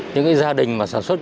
những gia đình sản xuất